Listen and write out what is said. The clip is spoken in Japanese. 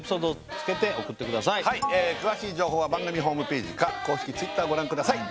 送ってください詳しい情報は番組ホームページか公式Ｔｗｉｔｔｅｒご覧ください